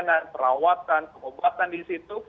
ada perawatan keobatan di situ